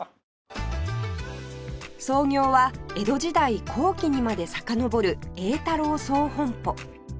創業は江戸時代後期にまでさかのぼる榮太樓總本鋪